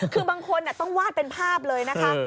คือบางคนต้องวาดเป็นภาพเลยนะคะ